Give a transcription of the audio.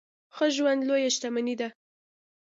ښه ژوند لويه شتمني ده.